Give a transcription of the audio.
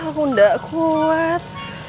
aku gak kuat